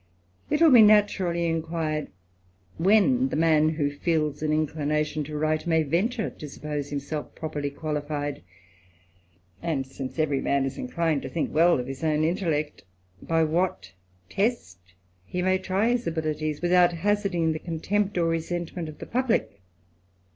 It will be naturally inquired, when the man who feels an inclination to write, may venture to suppose himself properly qualified ; and, since every man who is inclined to think well of his own intellect, by what test he may try his abilities, without hazarding the contempt or resentment of the publick.